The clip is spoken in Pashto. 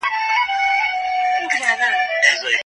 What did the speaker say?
نجلۍ د واده لپاره هیڅ شرط نه درلود.